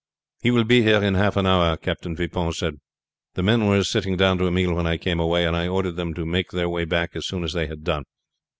"He will be here in half an hour," Captain Vipon said. "The men were sitting down to a meal when I came away, and I ordered them to make their way back as soon as they had done.